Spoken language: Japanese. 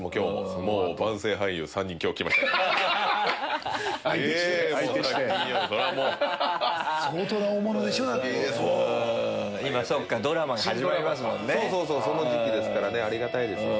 そうそうそうその時期ですからねありがたいですよ。